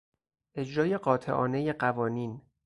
اجرای قاطعانهی قوانین